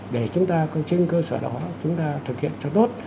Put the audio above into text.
để chúng ta trên cơ sở đó chúng ta thực hiện cho tốt